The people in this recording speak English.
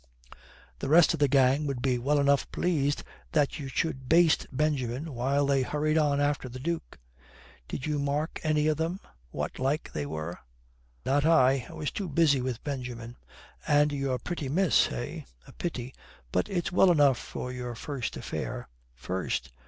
The rest of the gang would be well enough pleased that you should baste Benjamin while they hurried on after the Duke. Did you mark any of them, what like they were?" "Not I. I was too busy with Benjamin." "And your pretty miss, eh? A pity. But it's well enough for your first affair." "First?